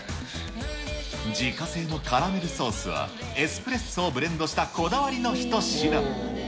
自家製のカラメルソースは、エスプレッソをブレンドしたこだわりの一品。